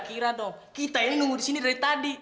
lo kira kira dong kita yang nunggu disini dari tadi